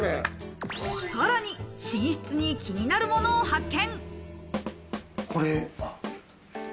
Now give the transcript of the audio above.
さらに寝室に気になるものを発見。